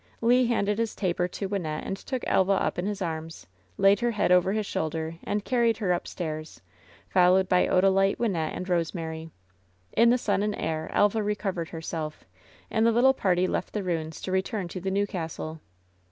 Le handed his taper to Wynnette and took Elva up in his arms, laid her head over his shoulder, and carried her upstairs, followed by Odalite, Wynnette and Bose mary. In the sun and air Elva recovered herself, and the little party left the ruins to return to the new castle.